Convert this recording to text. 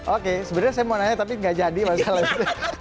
oke sebenarnya saya mau nanya tapi nggak jadi masalah itu